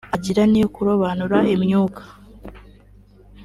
agira niyo kurobanura imyuka